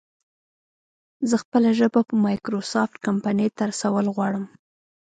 زه خپله ژبه په مايکروسافټ کمپنۍ ته رسول غواړم